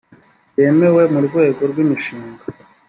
byemewe mu rwego rw imishinga